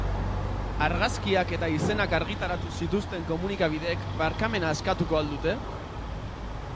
Argazkiak eta izenak argitaratu zituzten komunikabideek barkamena eskatuko al dute?